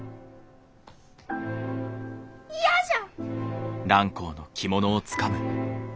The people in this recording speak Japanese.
嫌じゃ！